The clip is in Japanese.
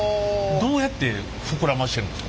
どうやって膨らませてるんですか？